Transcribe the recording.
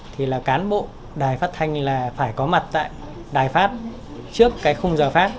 thì là cán bộ đài phát thanh là phải có mặt tại đài phát trước cái khung giờ phát